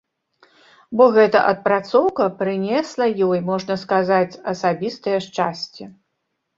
Бо гэта адпрацоўка прынесла ёй, можна сказаць, асабістае шчасце.